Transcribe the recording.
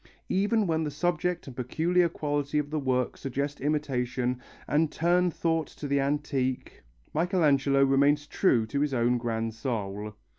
Even when the subject and peculiar quality of the work suggest imitation and turn thought to the antique, Michelangelo remains true to his own grand soul.